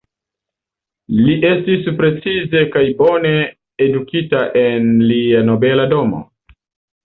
Li estis precize kaj bone edukita en lia nobela domo.